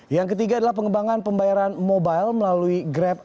yang ketiga adalah pengembangan pembayaran mobile melalui grab